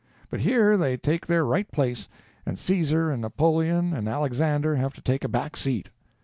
But here they take their right place, and Cæsar and Napoleon and Alexander have to take a back seat.